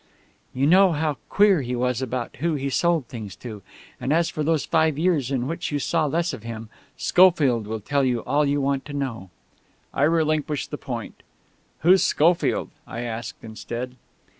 "You know how queer he was about who he sold his things to. And as for those five years in which you saw less of him, Schofield will tell you all you want to know." I relinquished the point. "Who's Schofield?" I asked instead.